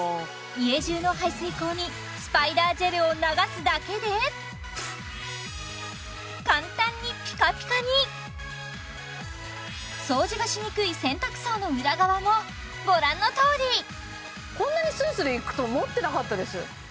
家じゅうの排水口にスパイダージェルを流すだけで簡単にぴかぴかに掃除がしにくい洗濯槽の裏側もご覧のとおりこんなにスルスルいくと思ってなかったです